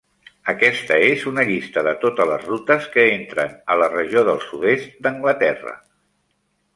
Aquesta és una llista de totes les rutes que entren a la regió del sud-est d'Anglaterra.